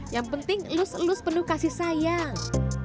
yang penting lus lus penuh kasih sayang